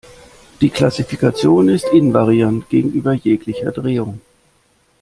Die Klassifikation ist invariant gegenüber jeglicher Drehung.